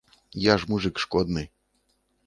Я ж мужык шкодны.